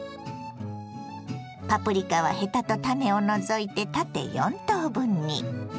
パプリカはヘタと種を除いて縦４等分に。